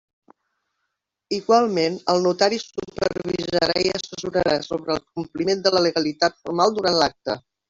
Igualment, el notari supervisarà i assessorarà sobre el compliment de la legalitat formal durant l'acte.